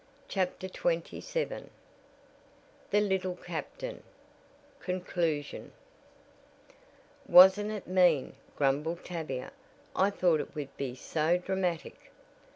CHAPTER XXVII THE LITTLE CAPTAIN CONCLUSION "Wasn't it mean," grumbled Tavia, "I thought it would be so dramatic."